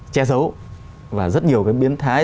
che dấu và rất nhiều cái biến thái